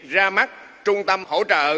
ra mắt trung tâm hỗ trợ